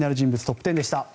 トップ１０でした。